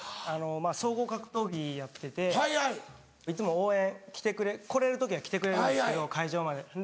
総合格闘技やってていつも応援来れる時は来てくれるんですけど会場まで。